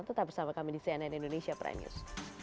tetap bersama kami di cnn indonesia prime news